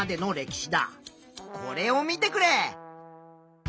これを見てくれ。